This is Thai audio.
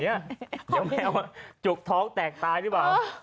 เดี๋ยวแมวจุกท้องแตกตายหรือเปล่า